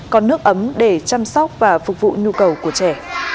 còn nước ấm để chăm sóc và phục vụ nhu cầu của trẻ